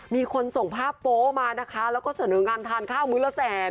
มีคนส่งภาพโป๊มานะคะแล้วก็เสนองานทานข้าวมื้อละแสน